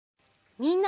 みんな。